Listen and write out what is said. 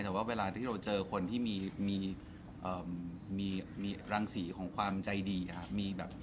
แต่ว่าเวลาที่เราเจอคนที่มีรังสีของความใจดีครับ